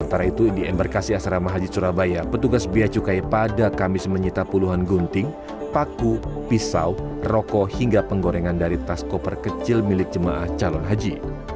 sementara itu di embarkasi asrama haji surabaya petugas biaya cukai pada kamis menyita puluhan gunting paku pisau rokok hingga penggorengan dari tas koper kecil milik jemaah calon haji